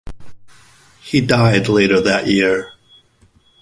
He died later that year.